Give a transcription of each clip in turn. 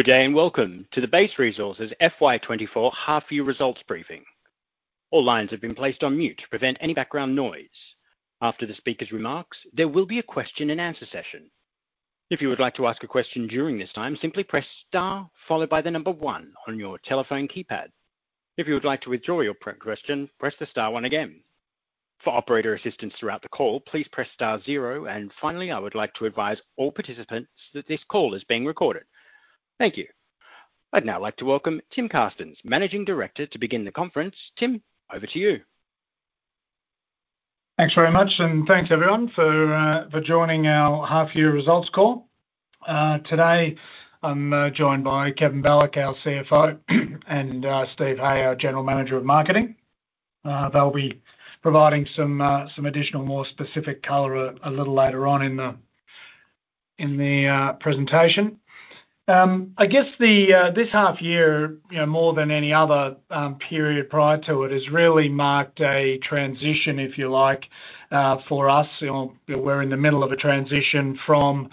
Good day, and welcome to the Base Resources FY 2024 Half Year Results Briefing. All lines have been placed on mute to prevent any background noise. After the speaker's remarks, there will be a question and answer session. If you would like to ask a question during this time, simply press Star followed by the number one on your telephone keypad. If you would like to withdraw your pre-question, press the Star one again. For operator assistance throughout the call, please press Star zero, and finally, I would like to advise all participants that this call is being recorded. Thank you. I'd now like to welcome Tim Carstens, Managing Director, to begin the conference. Tim, over to you. Thanks very much, and thanks everyone for joining our half year results call. Today, I'm joined by Kevin Balloch, our CFO, and Steve Hay, our General Manager of Marketing. They'll be providing some additional, more specific color a little later on in the presentation. I guess this half year, you know, more than any other period prior to it, has really marked a transition, if you like, for us. You know, we're in the middle of a transition from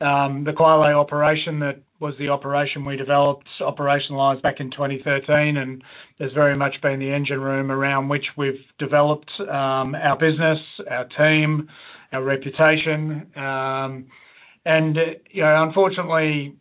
the Kwale operation. That was the operation we developed, operationalized back in 2013, and has very much been the engine room around which we've developed, our business, our team, our reputation, and, you know, unfortunately,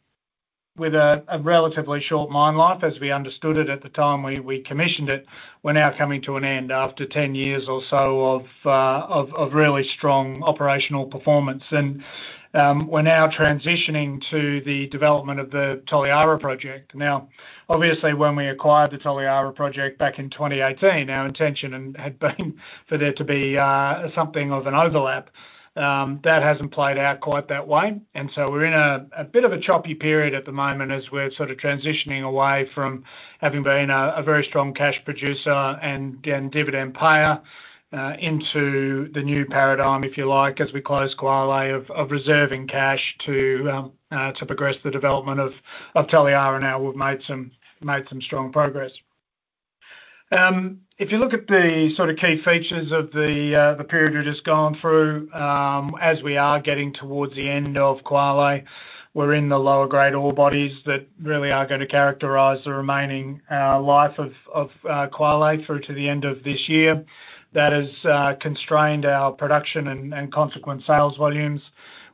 with a relatively short mine life, as we understood it at the time we commissioned it, we're now coming to an end after 10 years or so of really strong operational performance. We're now transitioning to the development of the Toliara Project. Now, obviously, when we acquired the Toliara Project back in 2018, our intention had been for there to be something of an overlap. That hasn't played out quite that way, and so we're in a bit of a choppy period at the moment as we're sort of transitioning away from having been a very strong cash producer and dividend payer into the new paradigm, if you like, as we close Kwale of reserving cash to progress the development of Toliara. And now we've made some strong progress. If you look at the sort of key features of the period we've just gone through, as we are getting towards the end of Kwale, we're in the lower grade ore bodies that really are gonna characterize the remaining life of Kwale through to the end of this year. That has constrained our production and consequent sales volumes.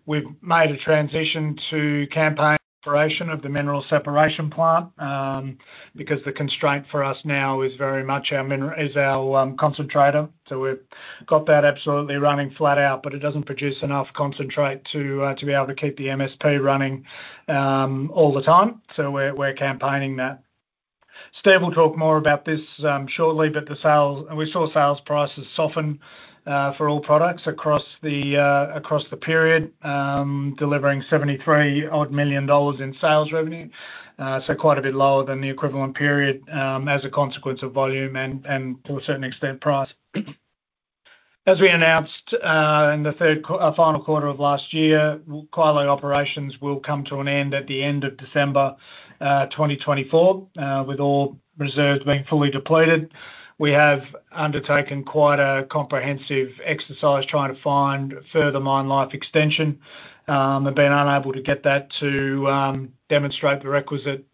We've made a transition to campaign operation of the mineral separation plant, because the constraint for us now is very much our concentrator. So we've got that absolutely running flat out, but it doesn't produce enough concentrate to be able to keep the MSP running all the time, so we're campaigning that. Steve will talk more about this shortly, but we saw sales prices soften for all products across the period, delivering $73 odd million in sales revenue. So quite a bit lower than the equivalent period, as a consequence of volume and to a certain extent, price. As we announced in the final quarter of last year, Kwale Operations will come to an end at the end of December 2024, with all reserves being fully depleted. We have undertaken quite a comprehensive exercise trying to find further mine life extension. Have been unable to get that to demonstrate the requisite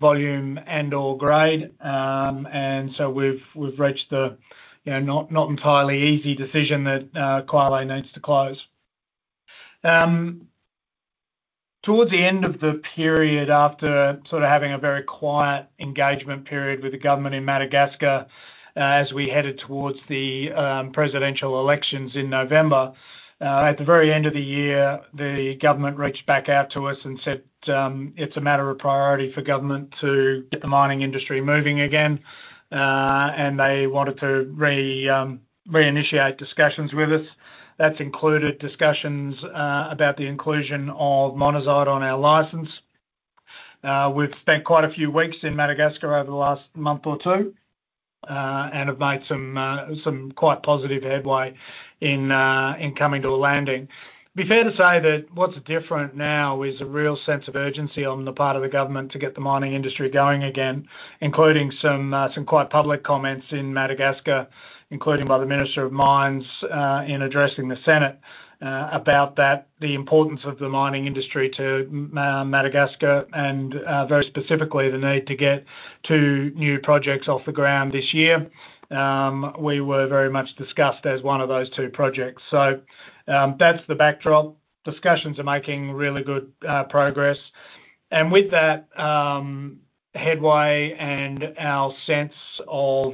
volume and/or grade. And so we've reached the, you know, not entirely easy decision that Kwale needs to close. Towards the end of the period, after sort of having a very quiet engagement period with the government in Madagascar, as we headed towards the presidential elections in November, at the very end of the year, the government reached back out to us and said, it's a matter of priority for government to get the mining industry moving again, and they wanted to reinitiate discussions with us. That's included discussions about the inclusion of monazite on our license. We've spent quite a few weeks in Madagascar over the last month or two, and have made some quite positive headway in coming to a landing. It's fair to say that what's different now is a real sense of urgency on the part of the government to get the mining industry going again, including some quite public comments in Madagascar, including by the Minister of Mines, in addressing the Senate, about that, the importance of the mining industry to Madagascar, and, very specifically, the need to get two new projects off the ground this year. We were very much discussed as one of those two projects. So, that's the backdrop. Discussions are making really good progress, and with that headway and our sense of,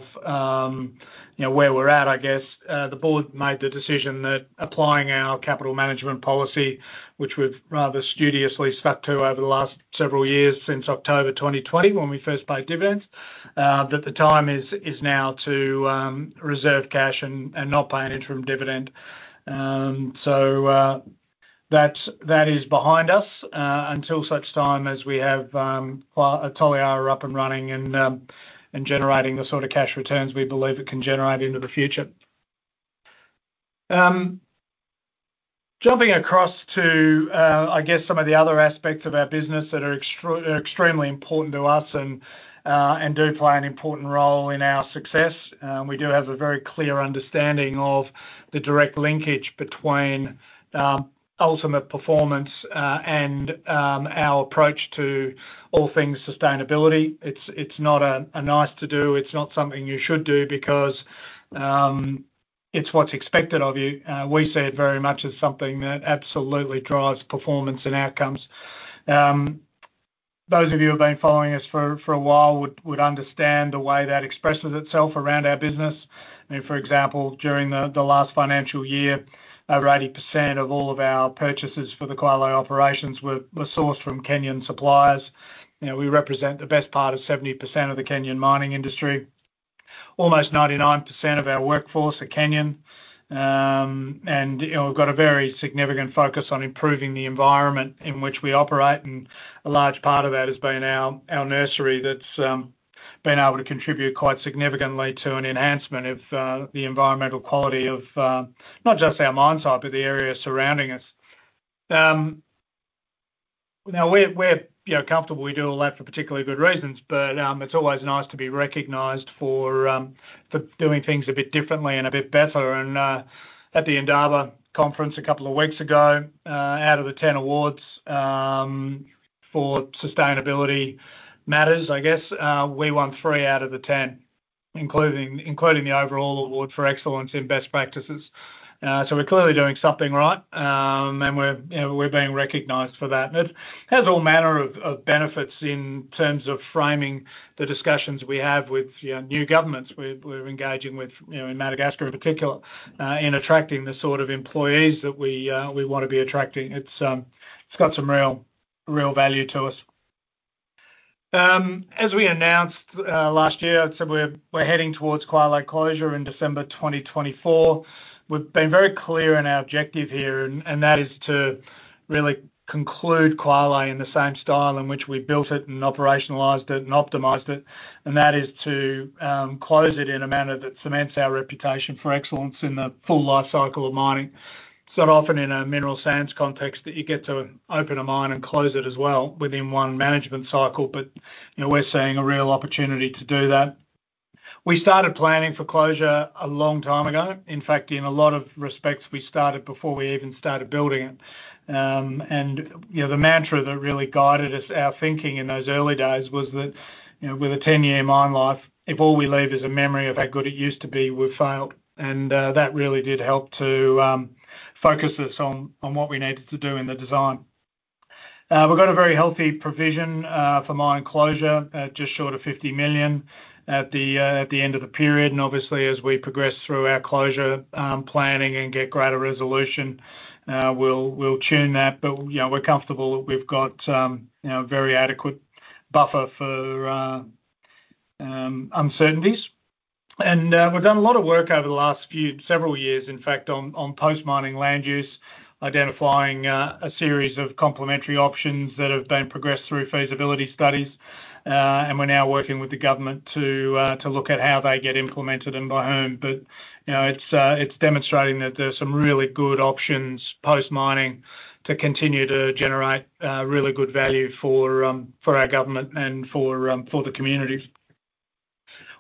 you know, where we're at, I guess, the board made the decision that applying our capital management policy, which we've rather studiously stuck to over the last several years, since October 2020, when we first paid dividends, that the time is now to reserve cash and not pay an interim dividend. So, that's behind us until such time as we have Toliara up and running and generating the sort of cash returns we believe it can generate into the future. Jumping across to, I guess, some of the other aspects of our business that are extremely important to us and do play an important role in our success. We do have a very clear understanding of the direct linkage between ultimate performance and our approach to all things sustainability. It's not a nice to do, it's not something you should do because it's what's expected of you. We see it very much as something that absolutely drives performance and outcomes. Those of you who have been following us for a while would understand the way that expresses itself around our business. I mean, for example, during the last financial year, over 80% of all of our purchases for the Kwale Operations were sourced from Kenyan suppliers. You know, we represent the best part of 70% of the Kenyan mining industry. Almost 99% of our workforce are Kenyan. You know, we've got a very significant focus on improving the environment in which we operate, and a large part of that has been our nursery that's been able to contribute quite significantly to an enhancement of the environmental quality of not just our mine site, but the area surrounding us. Now we're you know comfortable we do all that for particularly good reasons, but it's always nice to be recognized for doing things a bit differently and a bit better. At the Indaba Conference a couple of weeks ago, out of the 10 awards for sustainability matters, I guess, we won three out of the 10, including the overall award for excellence in best practices. We're clearly doing something right, and we're you know we're being recognized for that. It has all manner of benefits in terms of framing the discussions we have with, you know, new governments. We're engaging with, you know, in Madagascar in particular, in attracting the sort of employees that we wanna be attracting. It's got some real, real value to us. As we announced last year, I'd said we're heading towards Kwale closure in December 2024. We've been very clear in our objective here, and that is to really conclude Kwale in the same style in which we built it and operationalized it and optimized it. And that is to close it in a manner that cements our reputation for excellence in the full life cycle of mining. It's not often in a mineral sands context that you get to open a mine and close it as well within one management cycle, but, you know, we're seeing a real opportunity to do that. We started planning for closure a long time ago. In fact, in a lot of respects, we started before we even started building it. And, you know, the mantra that really guided us, our thinking in those early days was that, you know, with a 10-year mine life, if all we leave is a memory of how good it used to be, we've failed. And, that really did help to focus us on what we needed to do in the design. We've got a very healthy provision for mine closure, just short of $50 million at the end of the period, and obviously, as we progress through our closure, planning and get greater resolution, we'll tune that. But, you know, we're comfortable that we've got, you know, a very adequate buffer for uncertainties. And, we've done a lot of work over the last few, several years in fact, on post-mining land use, identifying a series of complementary options that have been progressed through feasibility studies. And we're now working with the government to look at how they get implemented and by whom. But, you know, it's, it's demonstrating that there's some really good options post-mining to continue to generate really good value for our government and for the community.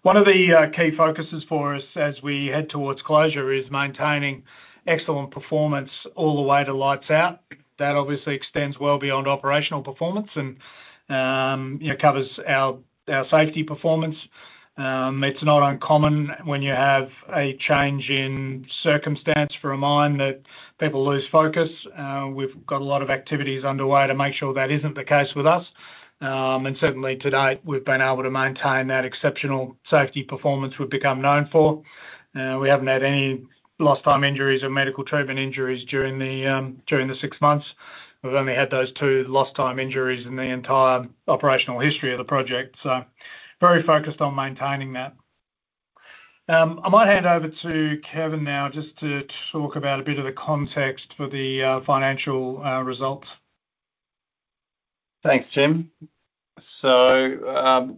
One of the key focuses for us as we head towards closure is maintaining excellent performance all the way to lights out. That obviously extends well beyond operational performance and, you know, covers our safety performance. It's not uncommon when you have a change in circumstance for a mine that people lose focus. We've got a lot of activities underway to make sure that isn't the case with us. And certainly to date, we've been able to maintain that exceptional safety performance we've become known for. We haven't had any lost time injuries or medical treatment injuries during the during the six months. We've only had those two lost time injuries in the entire operational history of the project, so very focused on maintaining that. I might hand over to Kevin now just to talk about a bit of the context for the financial results. Thanks, Tim. So,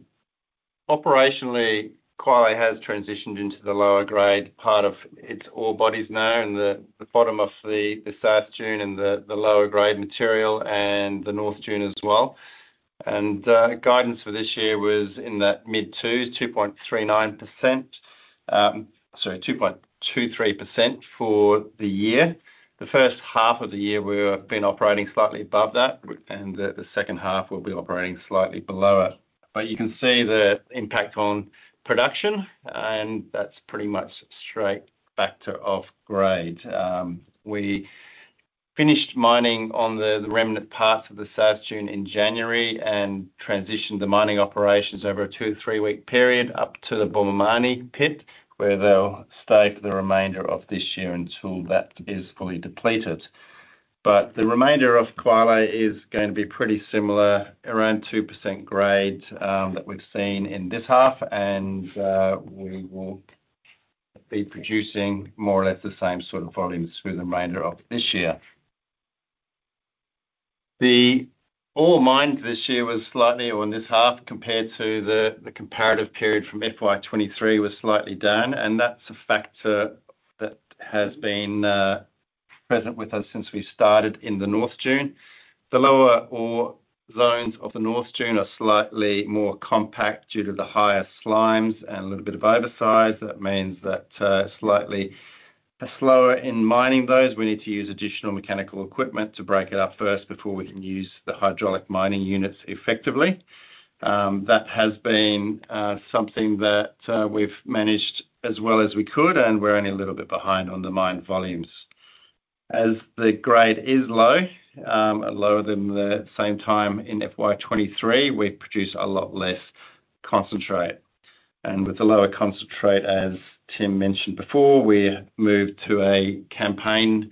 operationally, Kwale has transitioned into the lower grade part of its ore bodies now, and the bottom of the South Dune and the lower grade material, and the North Dune as well. And, guidance for this year was in that mid twos, 2.39%. Sorry, 2.23% for the year. The first half of the year, we've been operating slightly above that, and the second half we'll be operating slightly below it. But you can see the impact on production, and that's pretty much straight back to ore grade. We finished mining on the remnant parts of the South Dune in January and transitioned the mining operations over a two- to three-week period up to the Bumamani pit, where they'll stay for the remainder of this year until that is fully depleted. But the remainder of Kwale is going to be pretty similar, around 2% grade, that we've seen in this half, and we will be producing more or less the same sort of volumes through the remainder of this year. The ore mined this year was slightly, or in this half, compared to the, the comparative period from FY 2023, was slightly down, and that's a factor that has been present with us since we started in the North Dune. The lower ore zones of the North Dune are slightly more compact due to the higher slimes and a little bit of oversize. That means that slightly slower in mining those. We need to use additional mechanical equipment to break it up first before we can use the hydraulic mining units effectively. That has been something that we've managed as well as we could, and we're only a little bit behind on the mine volumes. As the grade is low, lower than the same time in FY 2023, we produce a lot less concentrate. And with the lower concentrate, as Tim mentioned before, we moved to a campaign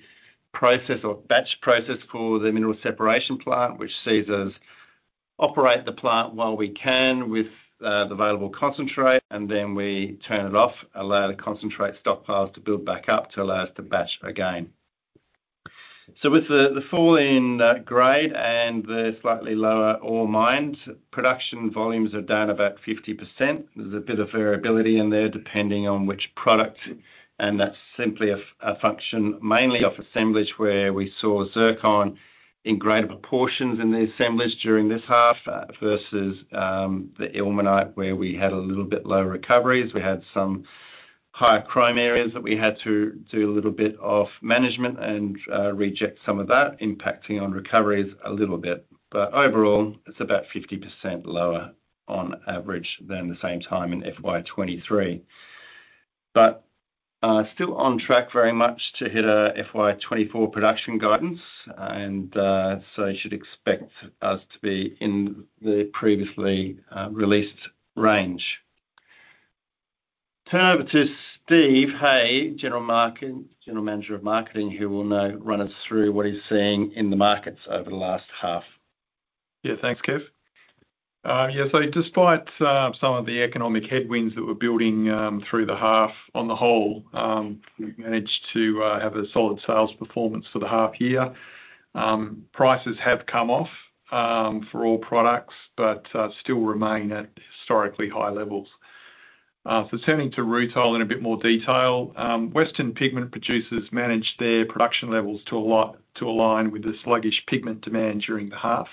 process or batch process called the Mineral Separation Plant, which sees us operate the plant while we can with the available concentrate, and then we turn it off, allow the concentrate stockpiles to build back up to allow us to batch again. So with the fall in grade and the slightly lower ore mined, production volumes are down about 50%. There's a bit of variability in there, depending on which product, and that's simply a function, mainly of assemblage, where we saw zircon in greater proportions in the assemblies during this half, versus the ilmenite, where we had a little bit lower recoveries. We had some higher crime areas that we had to do a little bit of management and reject some of that, impacting on recoveries a little bit. But overall, it's about 50% lower on average than the same time in FY 2023. But still on track very much to hit a FY 2024 production guidance, and so you should expect us to be in the previously released range. Turn over to Steve Hay, General Manager of Marketing, who will now run us through what he's seeing in the markets over the last half. Yeah, thanks, Kev. Yeah, so despite some of the economic headwinds that we're building through the half, on the whole, we've managed to have a solid sales performance for the half year. Prices have come off for all products, but still remain at historically high levels. So turning to rutile in a bit more detail, western pigment producers managed their production levels to align with the sluggish pigment demand during the half.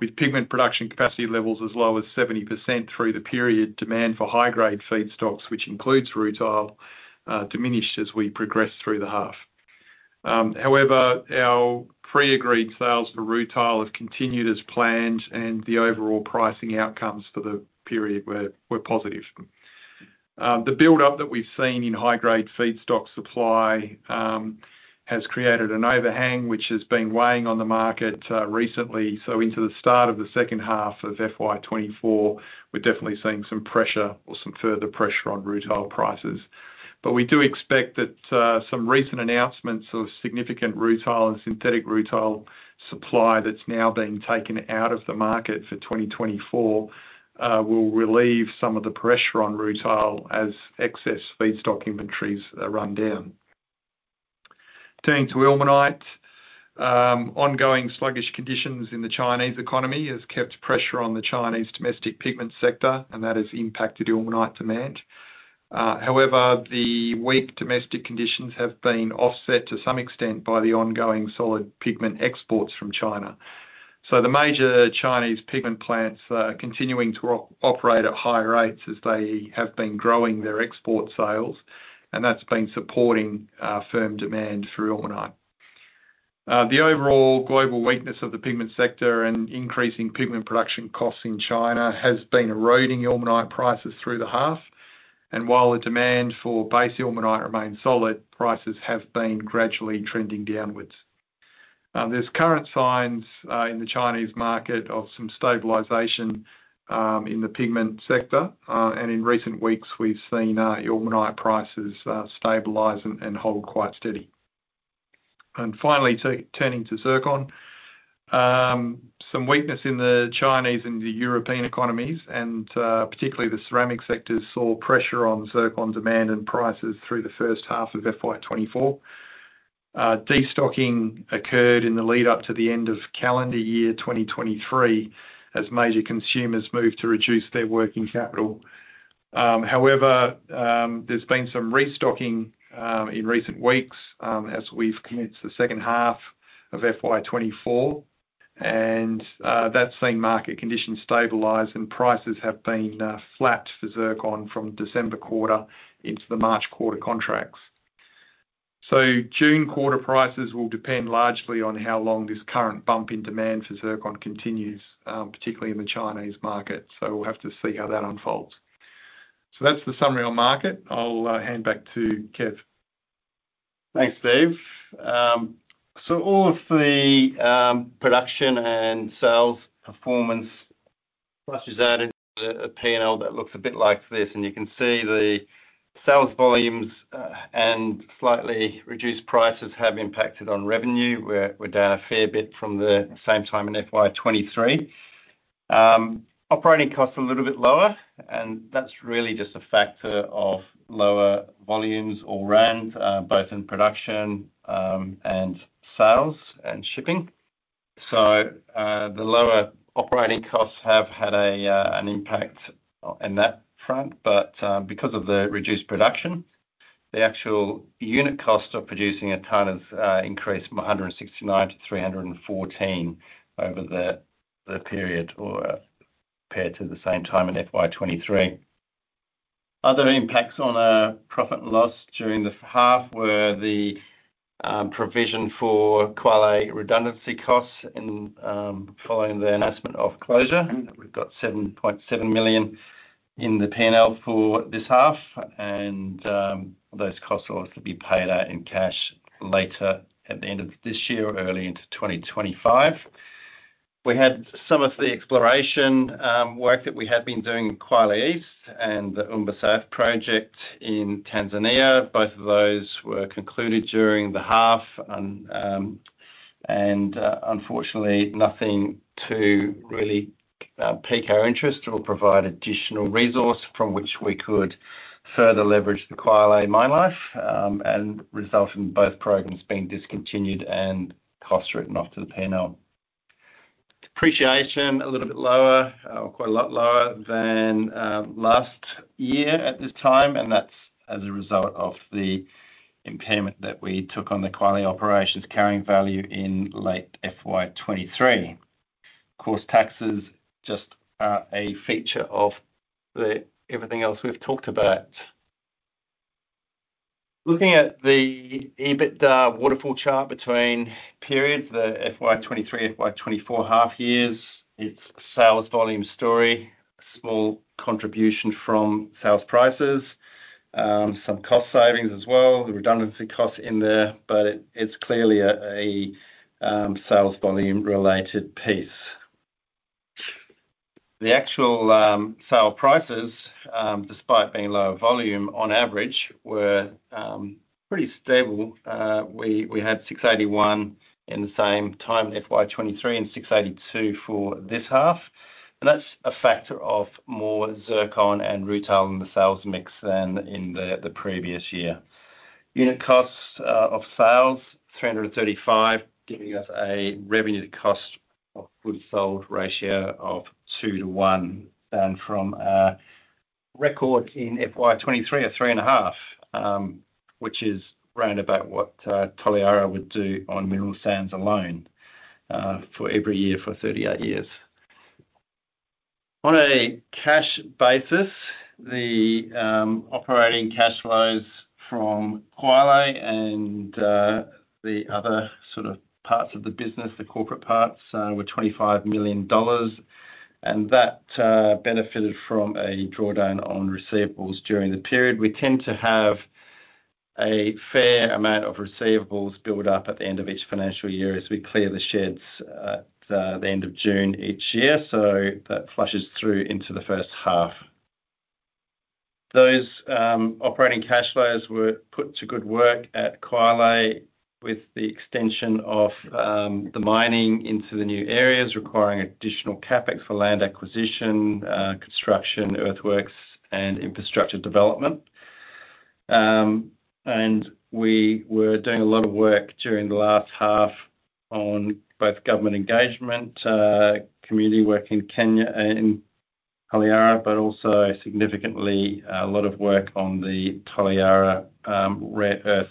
With pigment production capacity levels as low as 70% through the period, demand for high-grade feedstocks, which includes rutile, diminished as we progressed through the half. However, our pre-agreed sales for rutile have continued as planned, and the overall pricing outcomes for the period were positive. The build-up that we've seen in high-grade feedstock supply has created an overhang, which has been weighing on the market recently. So into the start of the second half of FY 2024, we're definitely seeing some pressure or some further pressure on rutile prices. But we do expect that some recent announcements of significant rutile and synthetic rutile supply that's now been taken out of the market for 2024 will relieve some of the pressure on rutile as excess feedstock inventories run down. Turning to ilmenite. Ongoing sluggish conditions in the Chinese economy has kept pressure on the Chinese domestic pigment sector, and that has impacted ilmenite demand. However, the weak domestic conditions have been offset to some extent by the ongoing solid pigment exports from China. So the major Chinese pigment plants are continuing to operate at high rates as they have been growing their export sales, and that's been supporting firm demand for ilmenite. The overall global weakness of the pigment sector and increasing pigment production costs in China has been eroding ilmenite prices through the half, and while the demand for base ilmenite remains solid, prices have been gradually trending downwards. There's current signs in the Chinese market of some stabilization in the pigment sector, and in recent weeks, we've seen ilmenite prices stabilize and hold quite steady. And finally, turning to zircon. Some weakness in the Chinese and the European economies, and particularly the ceramic sectors, saw pressure on zircon demand and prices through the first half of FY 2024. Destocking occurred in the lead up to the end of calendar year 2023, as major consumers moved to reduce their working capital. However, there's been some restocking in recent weeks, as we've commenced the second half of FY 2024, and that's seen market conditions stabilize and prices have been flat for zircon from December quarter into the March quarter contracts. So June quarter prices will depend largely on how long this current bump in demand for zircon continues, particularly in the Chinese market, so we'll have to see how that unfolds. So that's the summary on market. I'll hand back to Kev. Thanks, Steve. So all of the production and sales performance plus is added to a P&L that looks a bit like this, and you can see the sales volumes and slightly reduced prices have impacted on revenue. We're down a fair bit from the same time in FY 2023. Operating costs a little bit lower, and that's really just a factor of lower volumes all round both in production and sales and shipping. The lower operating costs have had an impact on in that front, but because of the reduced production, the actual unit cost of producing a ton has increased from $169-$314 over the period, or compared to the same time in FY 2023. Other impacts on profit and loss during the half were the provision for Kwale redundancy costs following the announcement of closure. We've got $7.7 million in the P&L for this half, and those costs will obviously be paid out in cash later at the end of this year or early into 2025. We had some of the exploration work that we had been doing in Kwale East and the Umba South Project in Tanzania. Both of those were concluded during the half, and unfortunately, nothing to really pique our interest or provide additional resource from which we could further leverage the Kwale mine life, and result in both programs being discontinued and cost written off to the P&L. Depreciation, a little bit lower, or quite a lot lower than last year at this time, and that's as a result of the impairment that we took on the Kwale Operations carrying value in late FY 2023. Of course, taxes just are a feature of the—everything else we've talked about. Looking at the EBITDA waterfall chart between periods, the FY 2023, FY 2024 half years, it's a sales volume story, small contribution from sales prices, some cost savings as well, the redundancy costs in there, but it, it's clearly a sales volume-related piece. The actual sale prices, despite being lower volume on average, were pretty stable. We had 681 in the same time, FY 2023, and 682 for this half, and that's a factor of more zircon and rutile in the sales mix than in the previous year. Unit costs of sales 335, giving us a revenue to cost of goods sold ratio of two to one, down from a record in FY 2023 of 3.5%, which is round about what Toliara would do on mineral sands alone for every year for 38 years. On a cash basis, the operating cash flows from Kwale and the other sort of parts of the business, the corporate parts, were $25 million, and that benefited from a drawdown on receivables during the period. We tend to have a fair amount of receivables build up at the end of each financial year as we clear the sheds at the end of June each year, so that flushes through into the first half. Those operating cash flows were put to good work at Kwale with the extension of the mining into the new areas, requiring additional CapEx for land acquisition, construction, earthworks, and infrastructure development. We were doing a lot of work during the last half on both government engagement, community work in Kenya, in Toliara, but also significantly, a lot of work on the Toliara rare earth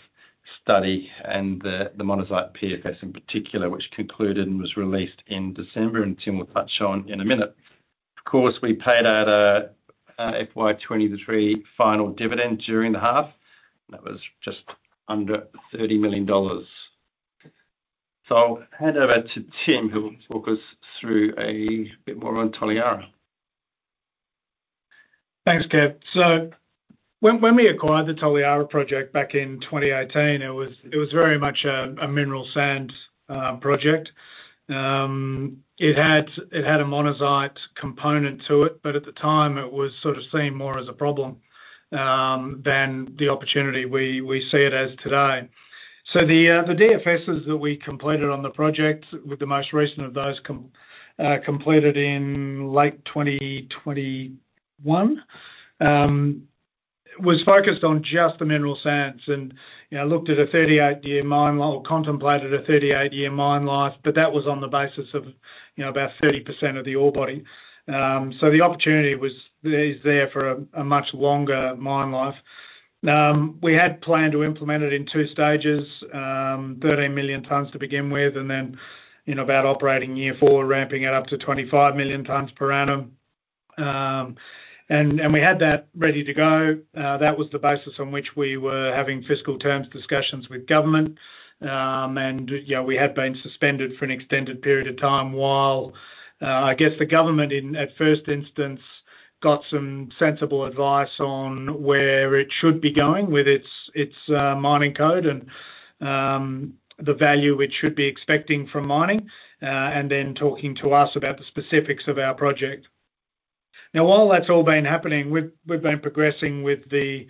study and the monazite PFS in particular, which concluded and was released in December, and Tim will touch on in a minute. Of course, we paid out a FY 2023 final dividend during the half. That was just under $30 million. I'll hand over to Tim, who will talk us through a bit more on Toliara. Thanks, Kev. So when we acquired the Toliara project back in 2018, it was very much a mineral sand project. It had a monazite component to it, but at the time, it was sort of seen more as a problem than the opportunity we see it as today. So the DFSes that we completed on the project, with the most recent of those completed in late 2021, was focused on just the mineral sands and, you know, looked at a 38-year mine life or contemplated a 38-year mine life, but that was on the basis of, you know, about 30% of the ore body. So the opportunity was, is there for a much longer mine life. We had planned to implement it in two stages, 13,000,000 tons to begin with, and then in about operating year four, ramping it up to 25,000,000 tons per annum. And we had that ready to go. That was the basis on which we were having fiscal terms discussions with government. And, you know, we had been suspended for an extended period of time while, I guess, the government in, at first instance, got some sensible advice on where it should be going with its mining code and the value it should be expecting from mining, and then talking to us about the specifics of our project. Now, while that's all been happening, we've been progressing with the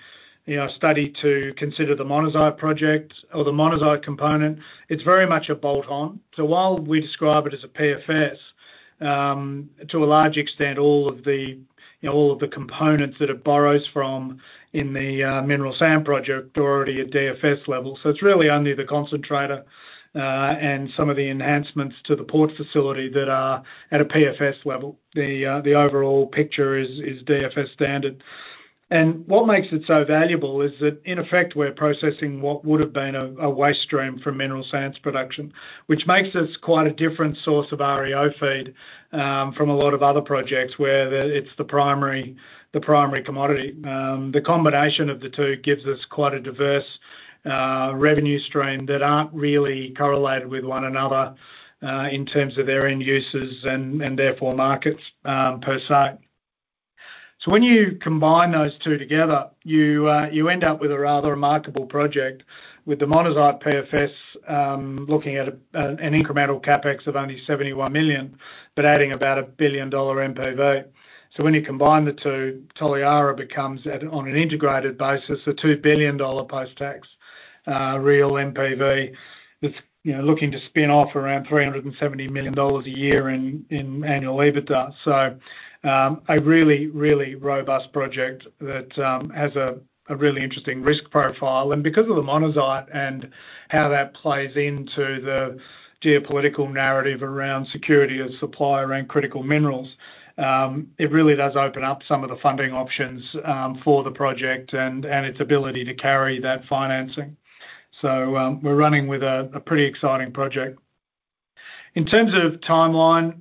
study to consider the Monazite project or the Monazite component. It's very much a bolt-on. So while we describe it as a PFS, to a large extent, all of the, you know, all of the components that it borrows from in the mineral sands project are already at DFS level. So it's really only the concentrator, and some of the enhancements to the port facility that are at a PFS level. The overall picture is DFS standard. And what makes it so valuable is that, in effect, we're processing what would have been a waste stream from mineral sands production, which makes us quite a different source of REO feed, from a lot of other projects, where it's the primary commodity. The combination of the two gives us quite a diverse revenue stream that aren't really correlated with one another in terms of their end uses and, and therefore, markets per se. So when you combine those two together, you end up with a rather remarkable project with the monazite PFS looking at an incremental CapEx of only $71 million, but adding about a $1 billion NPV. So when you combine the two, Toliara becomes, on an integrated basis, a $2 billion post-tax real NPV, that's, you know, looking to spin off around $370 million a year in annual EBITDA. So a really, really robust project that has a really interesting risk profile. Because of the monazite and how that plays into the geopolitical narrative around security of supply around critical minerals, it really does open up some of the funding options, for the project and, and its ability to carry that financing. We're running with a pretty exciting project. In terms of timeline,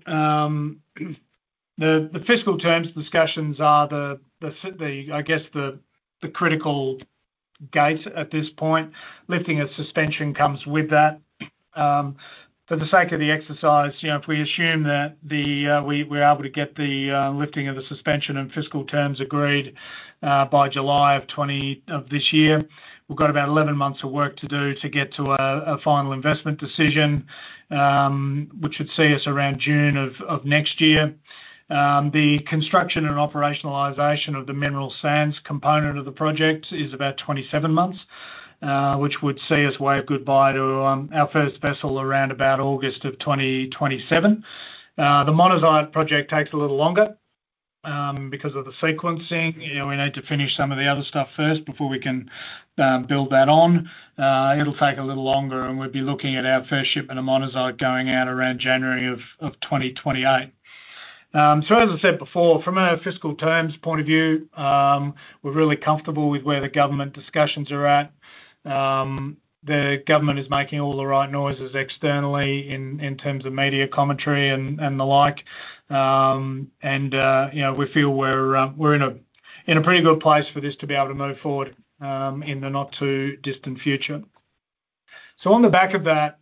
the fiscal terms discussions are the, I guess, the critical gate at this point. Lifting of suspension comes with that. For the sake of the exercise, you know, if we assume that we, we're able to get the lifting of the suspension and fiscal terms agreed, by July of 2020 of this year, we've got about 11 months of work to do to get to a final investment decision, which should see us around June of next year. The construction and operationalization of the mineral sands component of the project is about 27 months, which would see us wave goodbye to our first vessel around about August 2027. The monazite project takes a little longer because of the sequencing. You know, we need to finish some of the other stuff first before we can build that on. It'll take a little longer, and we'd be looking at our first shipment of monazite going out around January 2028. So as I said before, from a fiscal terms point of view, we're really comfortable with where the government discussions are at. The government is making all the right noises externally in terms of media commentary and the like. And, you know, we feel we're, we're in a, in a pretty good place for this to be able to move forward, in the not-too-distant future. So on the back of that,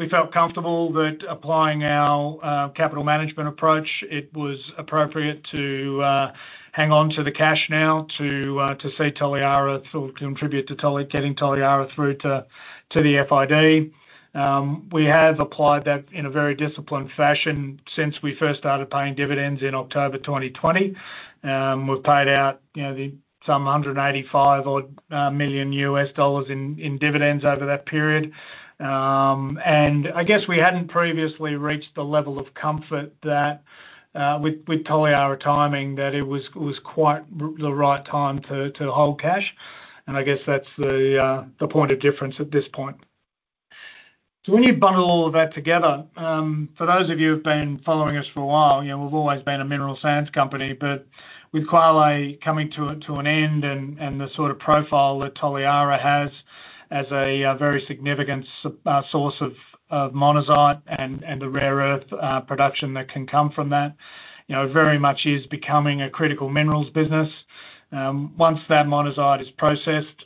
we, we felt comfortable that applying our, capital management approach, it was appropriate to, hang on to the cash now to, to see Toliara or contribute to getting Toliara through to, to the FID. We have applied that in a very disciplined fashion since we first started paying dividends in October 2020. We've paid out, you know, the, some $185 odd million in, in dividends over that period. And I guess we hadn't previously reached the level of comfort that, with, with Toliara timing, that it was, was quite the right time to, to hold cash. I guess that's the point of difference at this point. So when you bundle all of that together, for those of you who've been following us for a while, you know, we've always been a mineral sands company. But with Kwale coming to an end and the sort of profile that Toliara has as a very significant source of monazite and the rare earth production that can come from that, you know, it very much is becoming a critical minerals business. Once that monazite is processed,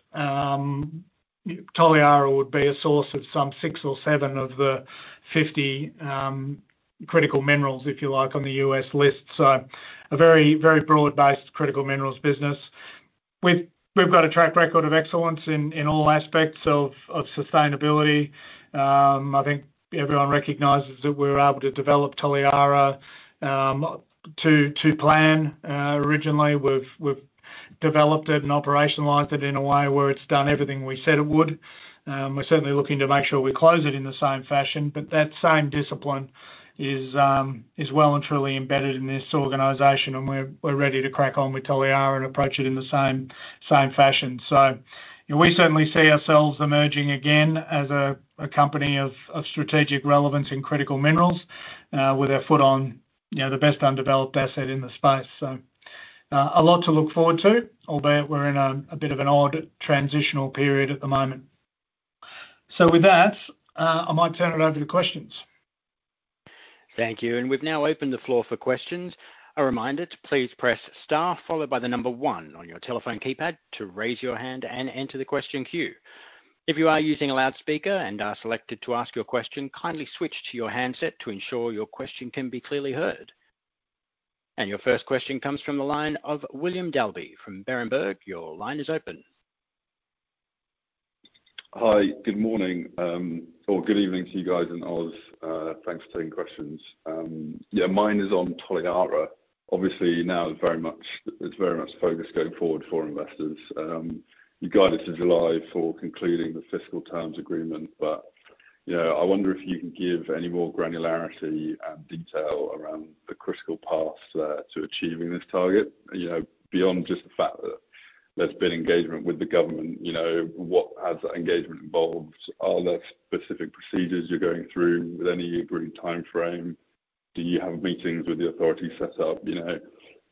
Toliara would be a source of some six or seven of the 50 critical minerals, if you like, on the U.S. list. So a very, very broad-based critical minerals business. We've got a track record of excellence in all aspects of sustainability. I think everyone recognizes that we're able to develop Toliara to plan. Originally, we've developed it and operationalized it in a way where it's done everything we said it would. We're certainly looking to make sure we close it in the same fashion. But that same discipline is well and truly embedded in this organization, and we're ready to crack on with Toliara and approach it in the same fashion. So, you know, we certainly see ourselves emerging again as a company of strategic relevance in critical minerals, with our foot on, you know, the best undeveloped asset in the space. So, a lot to look forward to, although we're in a bit of an odd transitional period at the moment. So with that, I might turn it over to questions. Thank you. And we've now opened the floor for questions. A reminder to please press star, followed by the number one on your telephone keypad to raise your hand and enter the question queue. If you are using a loudspeaker and are selected to ask your question, kindly switch to your handset to ensure your question can be clearly heard. And your first question comes from the line of William Dalby from Berenberg. Your line is open. ... Hi, good morning, or good evening to you guys in Aus. Thanks for taking questions. Yeah, mine is on Toliara. Obviously, now it's very much, it's very much focused going forward for investors. You guided to July for concluding the fiscal terms agreement, but, you know, I wonder if you can give any more granularity and detail around the critical path to achieving this target. You know, beyond just the fact that there's been engagement with the government, you know, what has that engagement involved? Are there specific procedures you're going through with any agreed timeframe? Do you have meetings with the authorities set up, you know?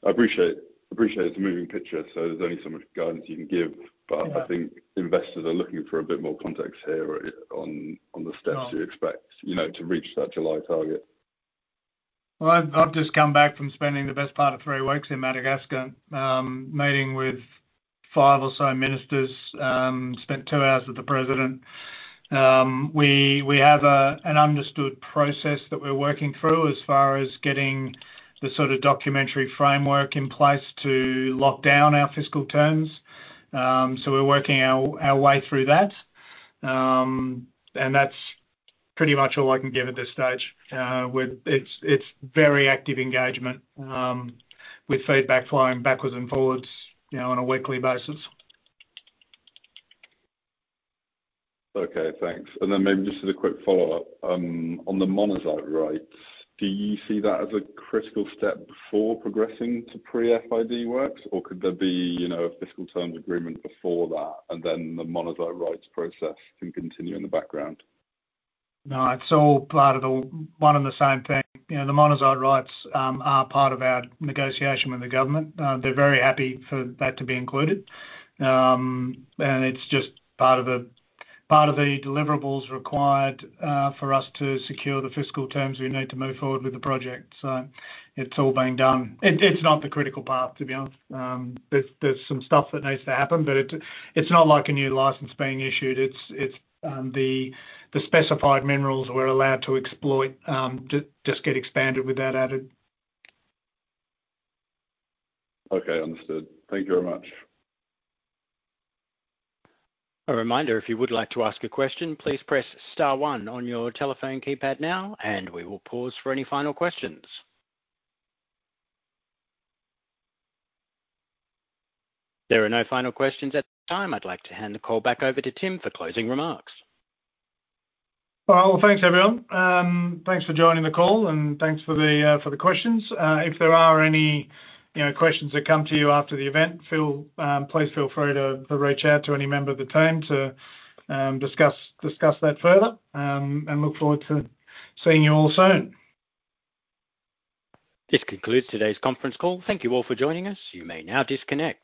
I appreciate, appreciate it's a moving picture, so there's only so much guidance you can give. Yeah. But I think investors are looking for a bit more context here on the steps- Sure. you expect, you know, to reach that July target. Well, I've just come back from spending the best part of three weeks in Madagascar, meeting with five or so ministers, spent two hours with the president. We have an understood process that we're working through as far as getting the sort of documentary framework in place to lock down our fiscal terms. So we're working our way through that. And that's pretty much all I can give at this stage. It's very active engagement, with feedback flowing backwards and forwards, you know, on a weekly basis. Okay, thanks. And then maybe just as a quick follow-up, on the monazite rights, do you see that as a critical step before progressing to pre-FID works? Or could there be, you know, a fiscal terms agreement before that, and then the monazite rights process can continue in the background? No, it's all part of the one and the same thing. You know, the monazite rights are part of our negotiation with the government. They're very happy for that to be included. And it's just part of the deliverables required for us to secure the fiscal terms we need to move forward with the project. So it's all being done. It, it's not the critical path, to be honest. There's some stuff that needs to happen, but it, it's not like a new license being issued. It's the specified minerals we're allowed to exploit just get expanded with that added. Okay, understood. Thank you very much. A reminder, if you would like to ask a question, please press star one on your telephone keypad now, and we will pause for any final questions. There are no final questions at this time. I'd like to hand the call back over to Tim for closing remarks. Well, thanks, everyone. Thanks for joining the call, and thanks for the questions. If there are any, you know, questions that come to you after the event, please feel free to reach out to any member of the team to discuss that further. Look forward to seeing you all soon. This concludes today's conference call. Thank you all for joining us. You may now disconnect.